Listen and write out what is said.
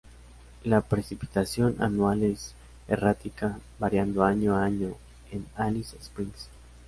La precipitación anual es errática, variando año a año en Alice Springs.